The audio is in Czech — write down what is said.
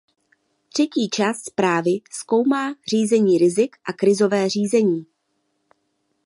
Třetí část zprávy zkoumá řízení rizik a krizové řízení.